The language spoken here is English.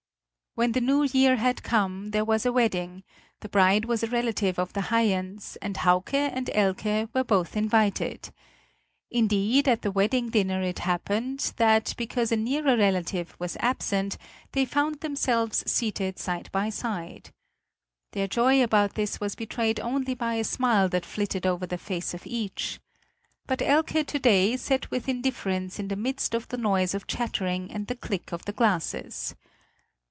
When the new year had come, there was a wedding; the bride was a relative of the Haiens, and Hauke and Elke were both invited. Indeed, at the wedding dinner it happened that, because a nearer relative was absent, they found themselves seated side by side. Their joy about this was betrayed only by a smile that flitted over the face of each. But Elke to day sat with indifference in the midst of the noise of chattering and the click of the glasses.